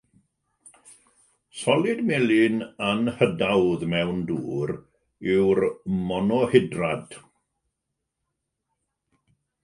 Solid melyn anhydawdd mewn dŵr yw'r monohydrad.